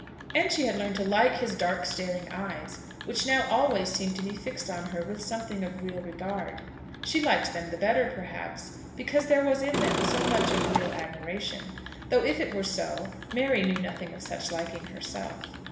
And she had learned to like his dark staring eyes, which now always seemed to be fixed on her with something of real regard. She liked them the better, perhaps, because there was in them so much of real admiration; though if it were so, Mary knew nothing of such liking herself.